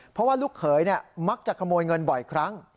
เพราะว่าลูกเขยมักจะขโมยเงินบ่อยครั้ง